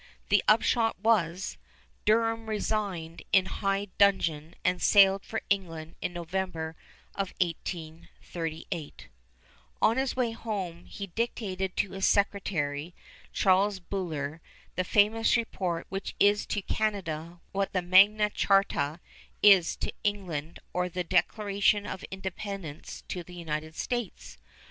The upshot was, Durham resigned in high dudgeon and sailed for England in November of 1838. [Illustration: LORD DURHAM, SPECIAL COMMISSIONER TO CANADA, 1838] On his way home he dictated to his secretary, Charles Buller, the famous report which is to Canada what the Magna Charta is to England or the Declaration of Independence to the United States.